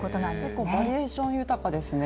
結構バリエーション豊かですね。